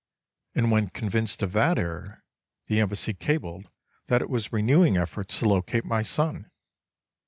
And when convinced of that error, the Embassy cabled that it was renewing efforts to locate my son.